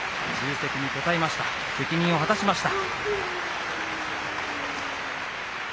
責任を果たしました。